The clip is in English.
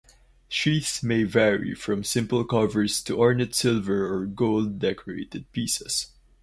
Sheaths may vary from simple covers to ornate silver or gold-decorated pieces.